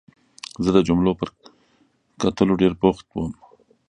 زه د جملو پر کټلو ډېر بوخت وم.